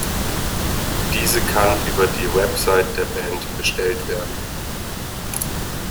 Diese kann über die Website der Band bestellt werden.